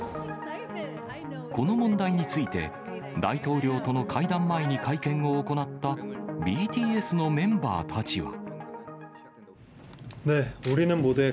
この問題について、大統領との会談前に会見を行ったＢＴＳのメンバーたちは。